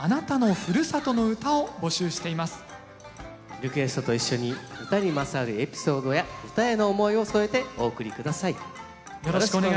リクエストと一緒に唄にまつわるエピソードや唄への思いを添えてお送り下さい。